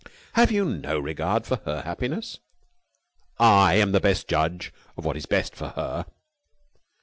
"Have you no regard for her happiness?" "I am the best judge of what is best for her."